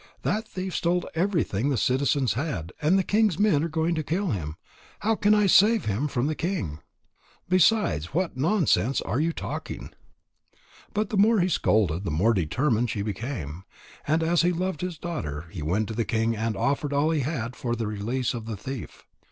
That thief stole everything the citizens had, and the king's men are going to kill him. How can I save him from the king? Besides, what nonsense are you talking?" But the more he scolded, the more determined she became. And as he loved his daughter, he went to the king and offered all he had for the release of the thief.